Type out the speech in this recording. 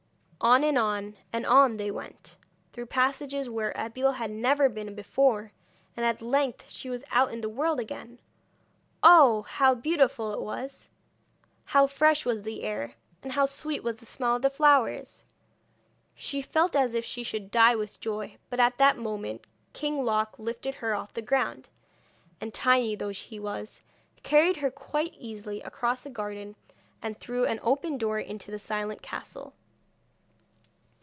On, and on, and on they went, through passages where Abeille had never been before, and at length she was out in the world again. Oh! how beautiful it all was! How fresh was the air, and how sweet was the smell of the flowers! She felt as if she should die with joy, but at that moment King Loc lifted her off the ground, and, tiny though he was, carried her quite easily across the garden and through an open door into the silent castle.